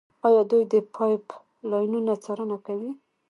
آیا دوی د پایپ لاینونو څارنه نه کوي؟